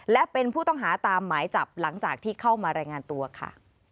และเป็นผู้ต้องหาตามหมายจับหลังจากที่เข้ามารายงานตัวค่ะ